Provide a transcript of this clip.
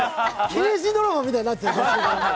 刑事ドラマみたいになってる。